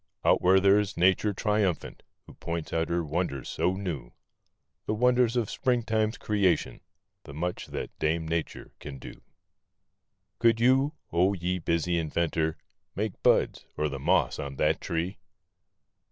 Out where there is Nature triumphant r who points out her wonders so new— The wonders of Springtime's crea t i o n ; the much that Dame Na¬ ture can do. Could you, oh, ye busy inventor, make buds, or the moss on that tree?